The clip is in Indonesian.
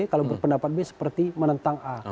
kalau berpendapat b seperti menentang a